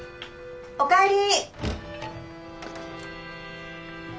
おかえり！